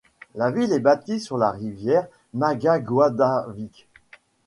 La ville est bâtie sur la rivière Magaguadavic.